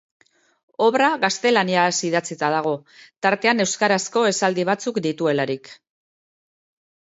Obra gaztelaniaz idatzita dago, tartean euskarazko esaldi batzuk dituelarik.